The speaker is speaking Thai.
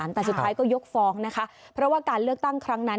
แต่สุดท้ายก็ยกฟ้องนะคะเพราะว่าการเลือกตั้งครั้งนั้น